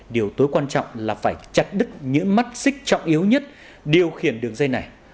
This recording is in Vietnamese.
điều tối quan trọng là phải chặt đứt những mắt xích trọng yếu nhất điều khiển đường dây này